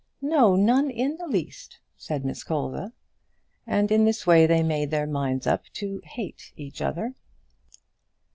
"No: none in the least," said Miss Colza. And in this way they made up their minds to hate each other.